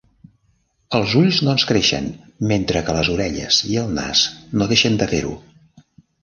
Els ulls no ens creixen, mentre que les orelles i el nas no deixen de fer-ho.